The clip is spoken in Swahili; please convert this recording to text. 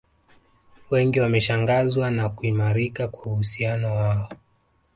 Wengi wameshangazwa na kuimarika kwa uhusiano wao